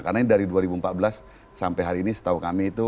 karena ini dari dua ribu empat belas sampai hari ini setahu kami itu